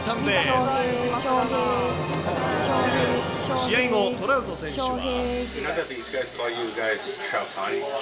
試合後、トラウト選手は。